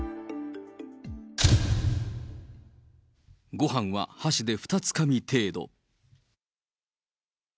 ごはんは箸で２つかみ程度。